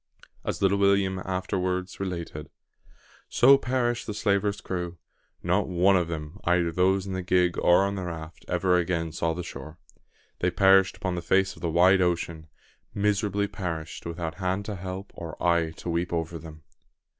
As little William afterwards related "So perished the slaver's crew. Not one of them, either those in the gig or on the raft, ever again saw the shore. They perished upon the face of the wide ocean miserably perished, without hand to help or eye to weep over them!"